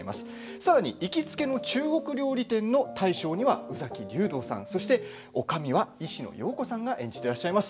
さらに行きつけの中国料理店の大将には宇崎竜童さんそして、おかみはいしのようこさんが演じていらっしゃいます。